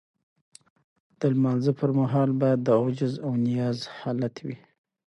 د لمانځه پر مهال باید د عجز او نیاز حالت وي.